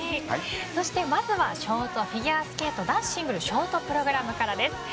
まずはショートフィギュアスケート男子シングルショートプログラムからです。